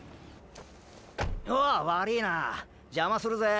おう悪りィな邪魔するぜ。